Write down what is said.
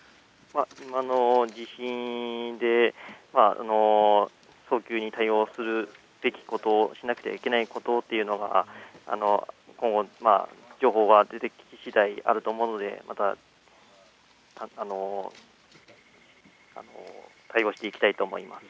今の地震で早急に対応しなくてはいけないこと、今後、情報が出てきしだいあると思うのでまた対応していきたいと思います。